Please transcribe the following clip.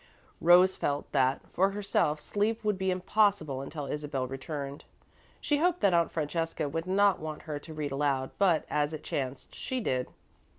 Rose felt that, for herself, sleep would be impossible until Isabel returned. She hoped that Aunt Francesca would not want her to read aloud, but, as it chanced, she did.